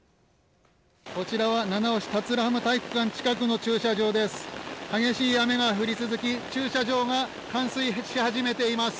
こちらは七尾市桂浜体育館近くの駐車場です。